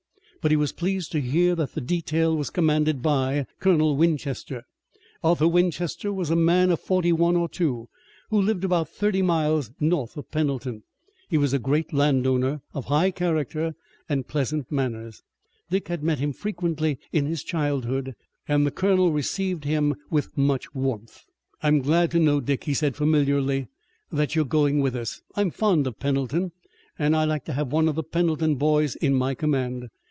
But he was pleased to hear that the detail was commanded by Colonel Winchester. Arthur Winchester was a man of forty one or two who lived about thirty miles north of Pendleton. He was a great landowner, of high character and pleasant manners. Dick had met him frequently in his childhood, and the Colonel received him with much warmth. "I'm glad to know, Dick," he said familiarly, "that you're going with us. I'm fond of Pendleton, and I like to have one of the Pendleton boys in my command.